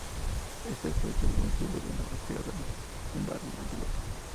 Este fue hecho con los tubos de una aspiradora, un balde y una pelota.